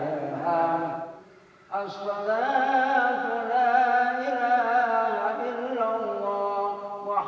allah is allah allah is allah